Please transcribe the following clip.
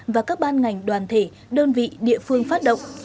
và các ban ngành đoàn thể đơn vị địa phương phát động